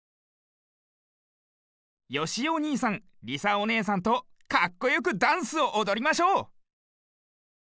よしおにいさんりさおねえさんとかっこよくダンスをおどりましょう！